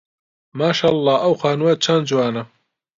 ماشەڵڵا ئەو خانووە چەند جوانە.